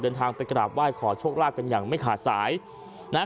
เดินทางไปกราบไหว้ขอโชคลาภกันอย่างไม่ขาดสายนะฮะ